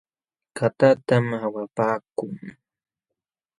Katatam awapaakun .